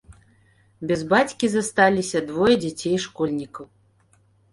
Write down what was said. Без бацькі засталіся двое дзяцей-школьнікаў.